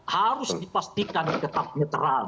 harus dipastikan tetap netral